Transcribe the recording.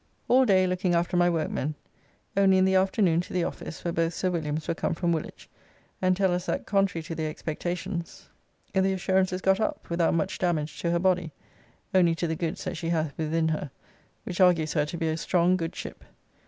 All day looking after my workmen, only in the afternoon to the office where both Sir Williams were come from Woolwich, and tell us that, contrary to their expectations, the Assurance is got up, without much damage to her body, only to the goods that she hath within her, which argues her to be a strong, good ship.